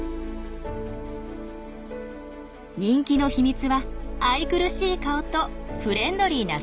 人気の秘密は愛くるしい顔とフレンドリーな性格。